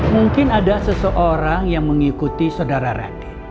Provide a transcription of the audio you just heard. mungkin ada seseorang yang mengikuti saudara radi